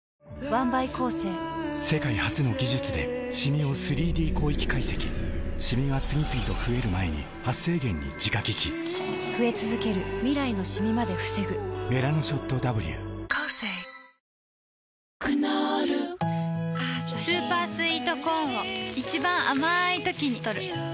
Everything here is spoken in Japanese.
世界初の技術でシミを ３Ｄ 広域解析シミが次々と増える前に「メラノショット Ｗ」クノールスーパースイートコーンを一番あまいときにとる